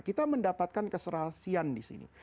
kita mendapatkan keserahsian disini